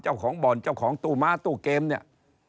เจ้าของบ่อนเจ้าของตู้ม้าตู้เกมเนี่ย